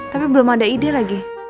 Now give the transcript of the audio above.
tapi belum ada ide lagi